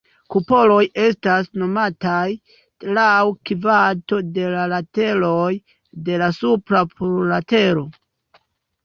Kupoloj estas nomataj laŭ kvanto de lateroj de la supra plurlatero.